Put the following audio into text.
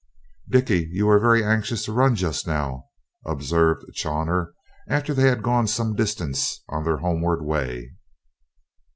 "Dickie, you were very anxious to run just now," observed Chawner, after they had gone some distance on their homeward way.